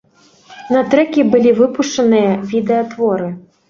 На трэкі былі выпушчаныя відэа-творы.